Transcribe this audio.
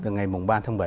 ngày mùng ba tháng bảy